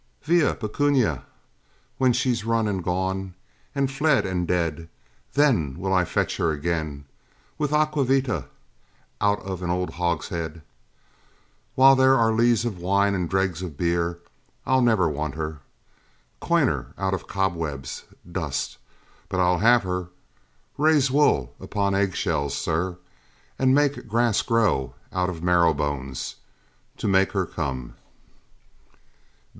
Via, Pecunia! when she's run and gone And fled, and dead, then will I fetch her again With aqua vita, out of an old hogshead! While there are lees of wine, or dregs of beer, I'll never want her! Coin her out of cobwebs, Dust, but I'll have her! raise wool upon egg shells, Sir, and make grass grow out of marrow bones, To make her come!